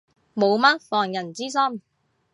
冇乜防人之心